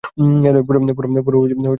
পুরো দুনিয়াবাসী নয়, জশ!